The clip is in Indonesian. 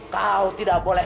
kau tidak boleh